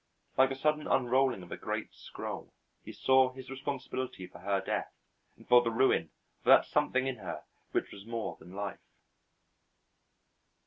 Like the sudden unrolling of a great scroll he saw his responsibility for her death and for the ruin of that something in her which was more than life.